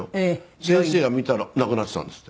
先生が見たら亡くなっていたんですって。